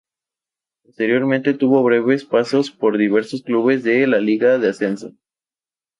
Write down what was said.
Posteriormente tuvo breves pasos por diversos clubes de la Liga de Ascenso.